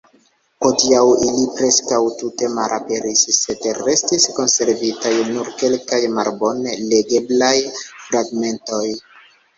Hodiaŭ ili preskaŭ tute malaperis, sed restis konservitaj nur kelkaj malbone legeblaj fragmentoj.